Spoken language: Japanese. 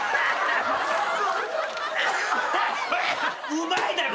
「うまい」だよ